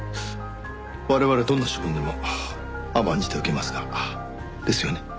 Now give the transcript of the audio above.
我々どんな処分でも甘んじて受けますが。ですよね？